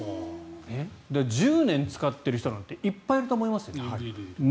１０年使っている人なんていっぱいいると思いますよ。